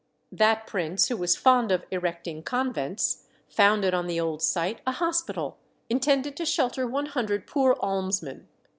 That prince, who was fond of erecting convents, founded on the old site a hospital, intended to shelter one hundred poor almsmen.